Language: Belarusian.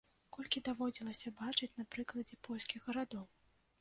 Колькі даводзілася бачыць на прыкладзе польскіх гарадоў.